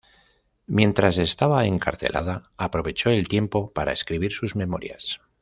Mientras estaba encarcelada, aprovechó el tiempo para escribir sus "Memorias".